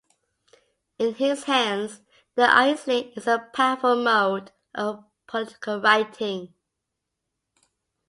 In his hands, the aisling is a powerful mode of political writing.